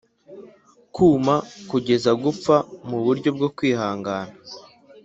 kuma kugeza gupfa muburyo bwo kwihangana